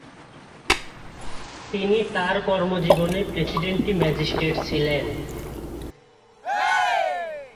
তিনি তার কর্মজীবনে প্রেসিডেন্সী ম্যাজিস্ট্রেট ছিলেন।